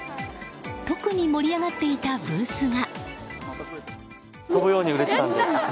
特に盛り上がっていたブースが。